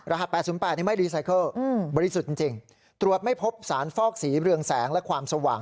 รหัสแปดศุนย์แปดที่ไม่อือบริสุทธิ์จริงจริงจรวบไม่พบสารฟอกสีเรืองแสงและความสว่าง